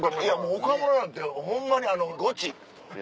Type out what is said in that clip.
岡村なんてホンマにあの。